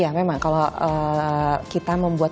ya memang kalau kita membuat